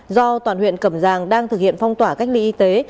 do toàn huyện cầm giang đang thực hiện phong tỏa cách ly y tế